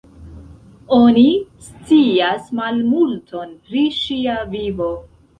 Oni scias malmulton pri ŝia vivo.